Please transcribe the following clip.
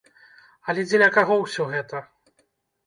Але дзеля каго ўсё гэта?